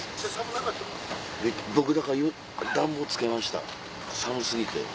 僕だから暖房つけました寒過ぎて。